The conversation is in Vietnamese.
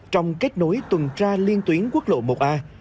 trong kết nối tuần tra liên tuyến quốc lộ một a